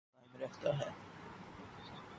وہ اپنی جگہ قائم رہتا ہے۔